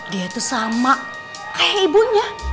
dia tuh sama kayak ibunya